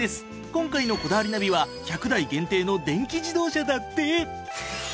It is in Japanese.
今回の『こだわりナビ』は１００台限定の電気自動車だって！